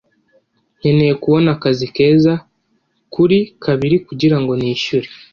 nkeneye kubona akazi keza kuri kabiri kugirango nishyure